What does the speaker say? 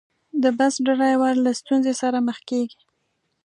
د بس ډریور له ستونزې سره مخ کېږي.